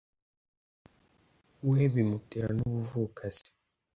we bimutera n’ubuvukasi